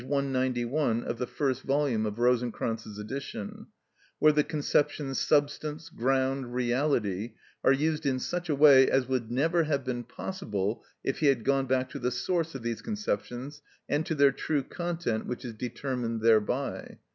191 of the first volume of Rosenkranz's edition), where the conceptions substance, ground, reality, are used in such a way as would never have been possible if he had gone back to the source of these conceptions and to their true content which is determined thereby.